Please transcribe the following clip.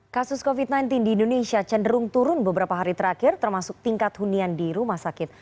kasus covid sembilan belas di indonesia cenderung turun beberapa hari terakhir termasuk tingkat hunian di rumah sakit